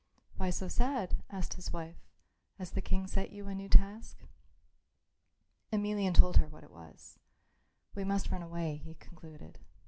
"Why so sad?" asked his wife. "Has the King set you a new task?" Emelian told her what it was. "We must run away," he concluded.